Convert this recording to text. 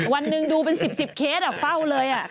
วันหนึ่งดูเป็น๑๐๑๐เคสอ่ะเฝ้าเลยอ่ะ